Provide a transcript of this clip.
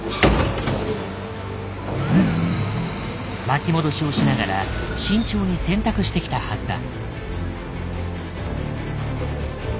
巻き戻しをしながら慎重に選択してきたはずだ。